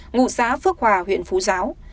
ngụ xã phước hòa huyện phú giáo